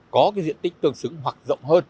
có cái diện tích tương xứng hoặc rộng hơn